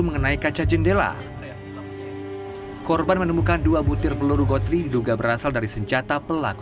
mengenai kaca jendela korban menemukan dua butir peluru gotri diduga berasal dari senjata pelaku